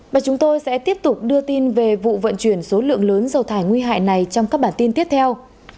và chúng tôi sẽ tiếp tục đưa tin về vụ vận chuyển số lượng lớn dầu thải nguy hại này trong các bản tin tiếp theo